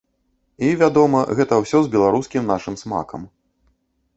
І, вядома, гэта ўсё з беларускім нашым смакам.